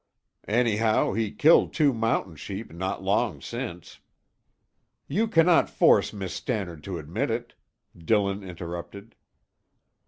"Anyhow, he killed two mountain sheep not long since." "You cannot force Miss Stannard to admit it," Dillon interrupted.